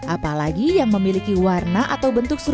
apalagi yang memiliki warna atau bentuk seru